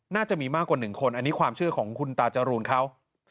น่าจะมีมากกว่า๑คนอันนี้ความเชื่อของคุณตาจรูนเขา